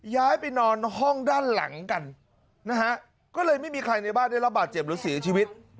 ย้ายไปนอนห้องด้านหลังกันนะฮะก็เลยไม่มีใครในบ้านได้รับบาดเจ็บหรือเสียชีวิต